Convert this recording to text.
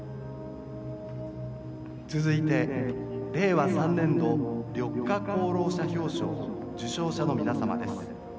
「続いて令和３年度緑化功労者表彰受賞者の皆様です。